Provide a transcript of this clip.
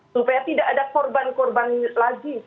supaya tidak ada korban korban lagi